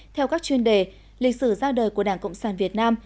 theo các chuyên đề lịch sử ra đời của đảng cộng sản việt nam